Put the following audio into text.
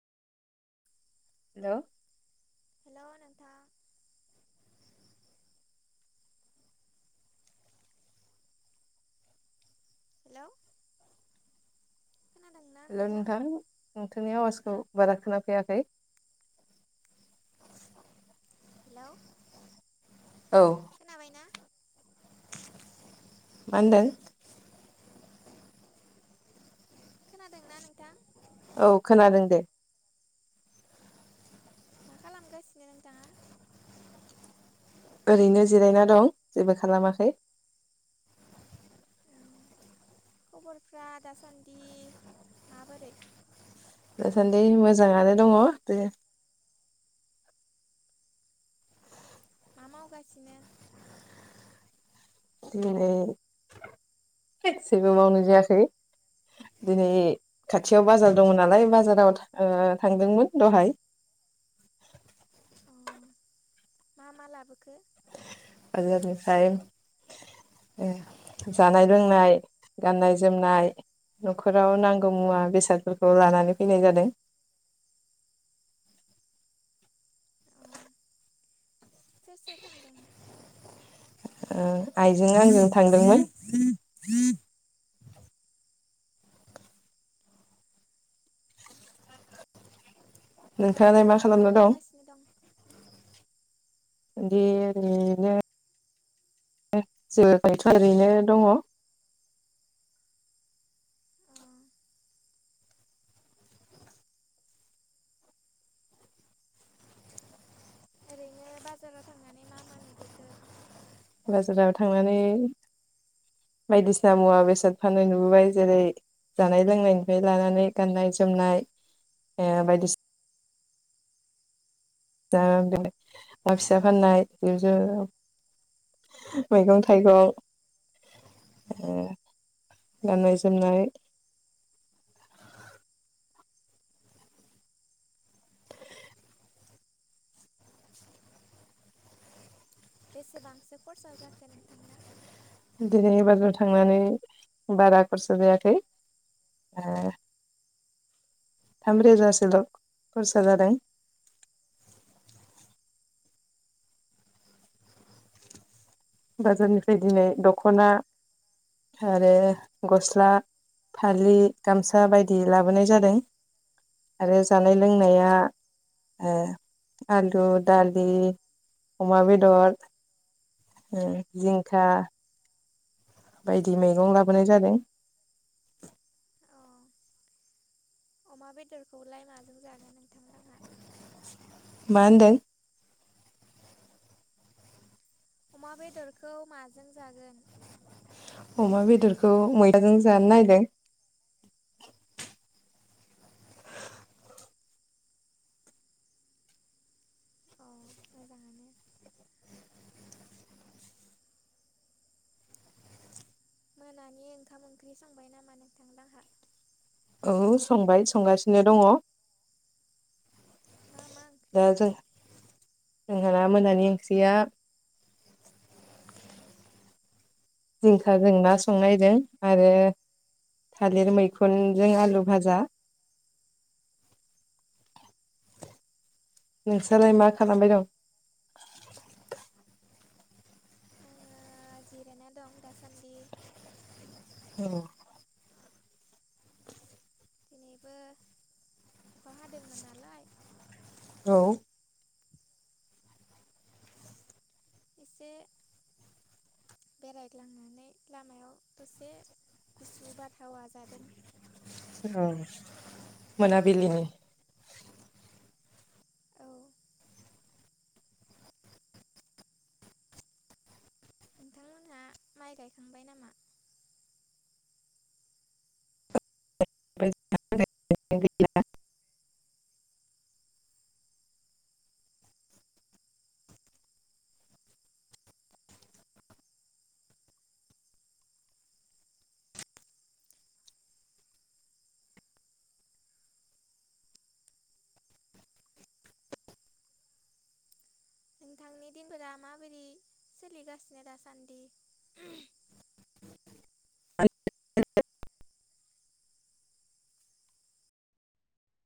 Hello hello नोंथां hello hello नोंथां नोंथांनि आवाजखौ बारा खोना फैयाखै। हेलौ औ। खोनाबायना मा होनदों? खोनादोंना नोंथां? औ खोनादों दे। मा खालामगासिनो नोंथाङा? ओरैनो जिरायना दं जेबो खालामाखै। औ खबरफ्रा दासान्दि माबोरै? दासान्दि मोजाङानो दङ बे मा मावगासिनो? दिनै जेबो मावनाय जायाखै दिनै खाथियाव बाजार दङ नालाय बाजाराव ओ थांदोंमोन दहाय अ मा मा लाबोखो? बाजारनिफ्राय ओ जानाय लोंनाय गाननाय जोमनाय न'खराव नांगौ मुवा बेसादफोरखौ लानानै फैनाय जादों। अ सोर सोर थांदोंमोन? ओ आइजों आंजों थांदोंमोन। नोंथाङालाय दासान्दि मा खालामना दं खालामगासिनो दं? बिदि ओरैनो जायथ' ओरैनो दङ। अ ओरैनो बाजाराव थांनानै मा मा नुबोखो? बाजाराव थांनानै बायदिसिना मुवा बेसाद फाननाय नुबोबाय जेरै जानाय लोंनायनिफ्राय लानानै गाननाय जोमनाय ओ बायदिसि दा [unintelligible] ना फिसा फाननाय [unintelligible] मैगं थाइगं ओ गाननाय जोमनाय बेसेबांसो खरसा जाखो नोंथांना? दिनैनि बाजाराव थांनानै बारा खरसा जायाखै ओ थामरोजासोल' खरसा जादों। बाजारनिफ्राय अ दिनै दख'ना आरो गस्ला फालि गामसा बायदि लाबोनाय जादों आरो जानाय लोंनाया ओ आलु दालि अमा बेदर ओ जिंखा बायदि मैगं लाबोनाय जादों। अ अमा बेदरखौलाय माजों जागोन नोंथांलाहा। मा होनदों? अमा बेदरखौ माजों जागोन? अमा बेदरखौ मैथाजों जानो नायदों। अ मोजाङानो मोनानि ओंखाम ओंख्रि संबाय नामा नोंथांलाहा। औ संबाय संगासिनो दङ। मा मा दा ओंख्रि जों हाना मोनानि ओंख्रिया जिंखाजों ना संनायजों आरो थालिर मैखुनजों आलु भाजा नोंसालाय मा खालामबाय दं? आ जिरायना दं दासान्दि। औ दिनैबो अखा हादोंमोन नालाय। औ एसे बेरायग्लांनानै लामायाव दसे गुसु बारहावा जादों। औ मोनाबिलिनि। औ नोंथांमोनहा माइ गायखांबाय नामा? [unintelligible] नोंथांनि दिनफोरा माबोरि सोलिगासिनो दासान्दि? [unintelligible]